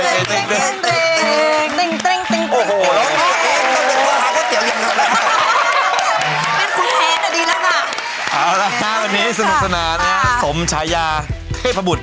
ส่งจานร์สมชายาเทพบุตร